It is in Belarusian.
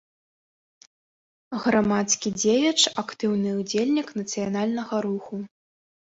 Грамадскі дзеяч, актыўны ўдзельнік нацыянальнага руху.